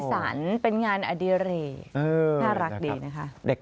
พฤศาลเป็นงานอเดียโรร่น่ารักดีนะคะ